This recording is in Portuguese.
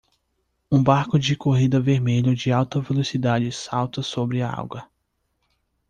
Um barco de corrida vermelho de alta velocidade salta sobre a água.